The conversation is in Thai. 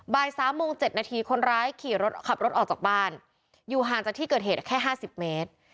บ่าย๓โมง๗นาทีคนร้ายขี่รถขับรถออกจากบ้านอยู่ห่างจากที่เกิดเหตุแค่๕๐เมตร